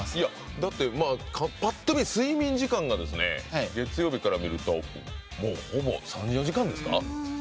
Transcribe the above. だって、ぱっと見睡眠時間が月曜日から見るともうほぼ３４時間ですか。